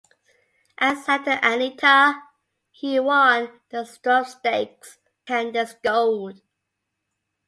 At Santa Anita, he won the Strub Stakes over Candi's Gold.